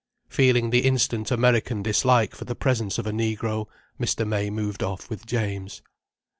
Feeling the instant American dislike for the presence of a negro, Mr. May moved off with James.